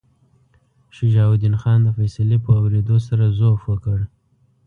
شجاع الدین خان د فیصلې په اورېدو سره ضعف وکړ.